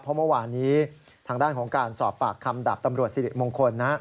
เพราะเมื่อวานนี้ทางด้านของการสอบปากคำดับตำรวจสิริมงคล